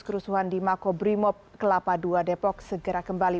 kerusuhan di makobrimob kelapa dua depok segera kembali